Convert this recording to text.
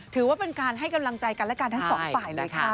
ถือว่าเป็นการให้กำลังใจกันและกันทั้งสองฝ่ายเลยค่ะ